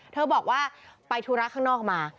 บอกว่าไปธุระข้างนอกมา